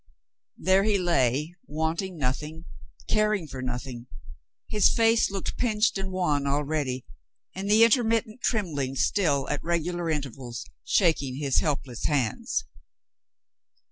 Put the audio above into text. There he lay, wanting nothing, caring for nothing; his face looking pinched and wan already, and the intermittent trembling still at regular intervals shaking his helpless hands.